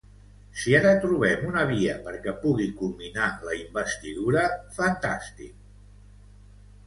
Si ara trobem una via perquè pugui culminar la investidura, fantàstic.